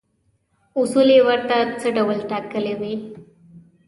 اصول یې ورته څه ډول ټاکلي وي.